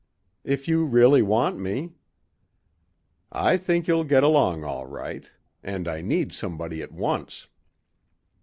"If you really want me." "I think you'll get along all right. And I need somebody at once."